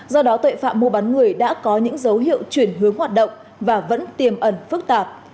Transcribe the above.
do đó tội phạm mua bán người đã có những dấu hiệu chuyển hướng hoạt động và vẫn tiềm ẩn phức tạp